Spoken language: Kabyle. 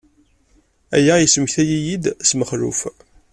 Aya yesmektay-iyi-d s Mexluf.